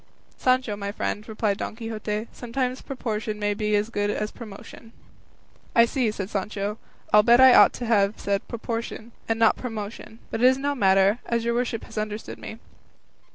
"Sancho, my friend," replied Don Quixote, "sometimes proportion may be as good as promotion." "I see," said Sancho; "I'll bet I ought to have said proportion, and not promotion; but it is no matter, as your worship has understood me."